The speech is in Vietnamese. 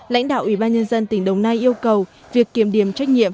lãnh đạo ủy ban nhân dân tỉnh đồng nai yêu cầu việc kiểm điểm trách nhiệm